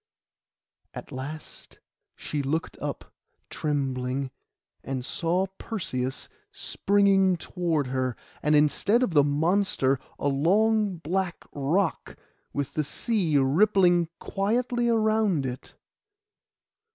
At last she looked up trembling, and saw Perseus springing toward her; and instead of the monster a long black rock, with the sea rippling quietly round it.